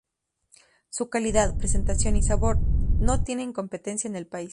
Su calidad, presentación y sabor no tienen competencia en el país.